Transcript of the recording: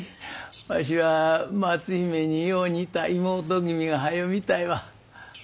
わしは松姫によう似た妹君がはよ見たいわ。